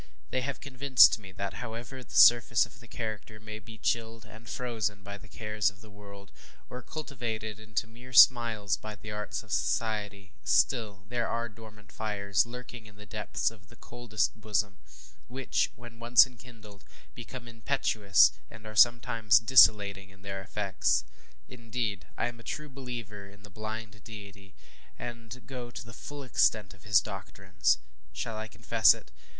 They have convinced me that, however the surface of the character may be chilled and frozen by the cares of the world, or cultivated into mere smiles by the arts of society, still there are dormant fires lurking in the depths of the coldest bosom, which, when once enkindled, become impetuous, and are sometimes desolating in their effects. Indeed, I am a true believer in the blind deity, and go to the full extent of his doctrines. Shall I confess it?